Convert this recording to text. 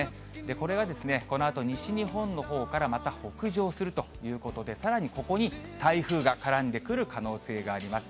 これがこのあと西日本のほうからまた北上するということで、さらにここに台風が絡んでくる可能性があります。